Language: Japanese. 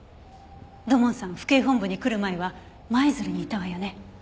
土門さん府警本部に来る前は舞鶴にいたわよね。